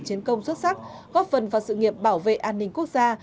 chiến công xuất sắc góp phần vào sự nghiệp bảo vệ an ninh quốc gia